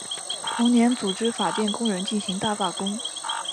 同年组织法电工人进行大罢工。